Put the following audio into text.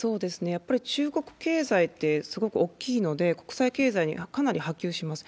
やっぱり中国経済ってすごく大きいので、国際経済にかなり波及します。